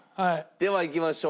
ではいきましょう。